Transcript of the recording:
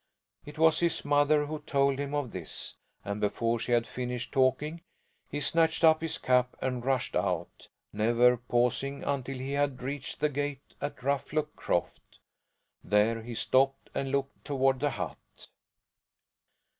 It was his mother who told him of this, and before she had finished talking he snatched up his cap and rushed out, never pausing until he had reached the gate at Ruffluck Croft; there he stopped and looked toward the hut.